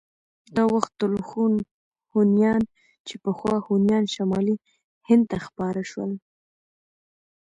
دا وخت الخون هونيان چې پخوا هونيان شمالي هند ته خپاره شول.